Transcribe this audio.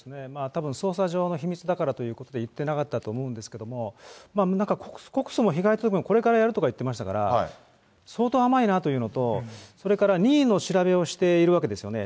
たぶん捜査上の秘密だからということで、言ってなかったと思うんですけれども、なんか告訴も被害届もこれからやるとか言ってましたから、相当、甘いなというのと、それから任意の調べをしているわけですよね。